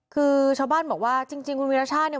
คือชาวบ้านบอกว่าจริงคุณวีรชาติเนี่ย